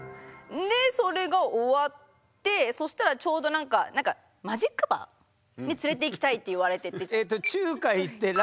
でそれが終わってそしたらちょうどなんかマジックバーに連れていきたいって言われて。